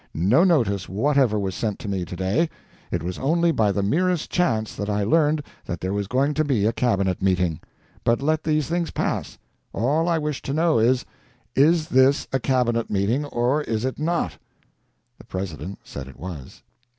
No notice whatever was sent to me to day. It was only by the merest chance that I learned that there was going to be a Cabinet meeting. But let these things pass. All I wish to know is, is this a Cabinet meeting or is it not?" The President said it was.